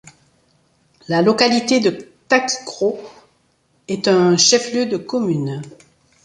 La localité de Takikro est un chef-lieu de commune.